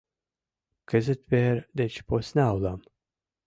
Кызыт вер деч посна улам.